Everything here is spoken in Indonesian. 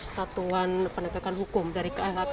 yang sudah menunjukkan penegakan hukum dari klhk